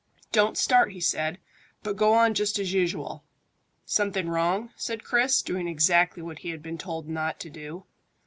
"Don't start," he said, "but go on just as usual." "Something wrong?" said Chris, doing exactly what he had been told not to do.